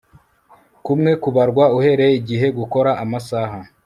kumwe kubarwa uhereye igihe gukora amasaha